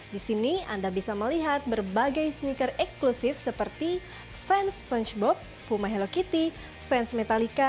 di sini anda bisa melihat berbagai sneaker eksklusif seperti vans spongebob puma hello kitty vans metallica